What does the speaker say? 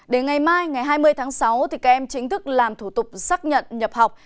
đến ngày mai ngày hai mươi tháng sáu các em chính thức làm thủ tục xác nhận nhập học